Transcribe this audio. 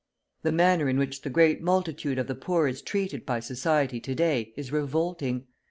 The manner in which the great multitude of the poor is treated by society to day is revolting.